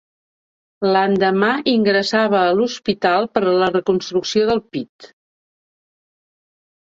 L'endemà, ingressava a l'hospital per a la reconstrucció del pit.